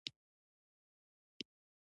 د هېواد مرکز د افغانانو د ژوند طرز اغېزمنوي.